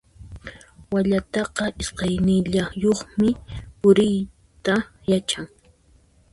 Wallataqa iskaynillayuqpuni puriyta yachan.